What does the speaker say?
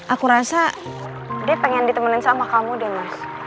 aku rasa dia pengen ditemenin sama kamu deh mas